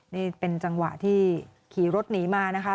นี่เป็นจังหวะที่ขี่รถหนีมานะคะ